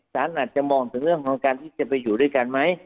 สารอาจจะมองถึงเรื่องของการที่จะไปอยู่ด้วยกันไหม